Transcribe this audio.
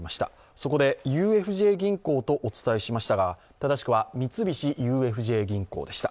そこでＵＦＪ銀行とお伝えしましたが、正しくは三菱ＵＦＪ銀行でした。